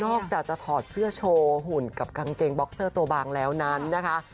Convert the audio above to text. ออกจากจะถอดเสื้อโชว์หุ่นกับกางเกงบ็อกเซอร์ตัวบางแล้วนั้นนะคะ